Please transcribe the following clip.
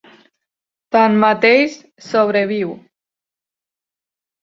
Tanmateix sobreviu.